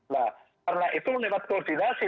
nah karena itu lewat koordinasi